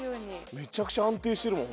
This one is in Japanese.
めちゃくちゃ安定してるもん。